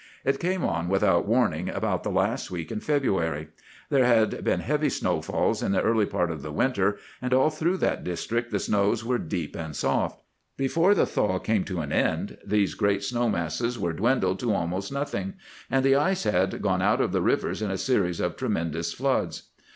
It came on without warning about the last week in February. There had been heavy snowfalls in the early part of the winter, and all through that district the snows were deep and soft. Before the thaw came to an end these great snow masses were dwindled to almost nothing, and the ice had gone out of the rivers in a series of tremendous floods.